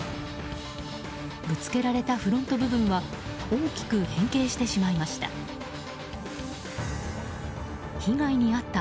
ぶつけられたフロント部分は大きく変形してしまいました。